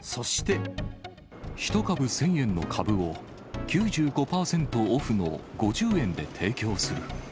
１株１０００円の株を、９５％オフの５０円で提供する。